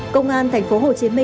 công an tp hcm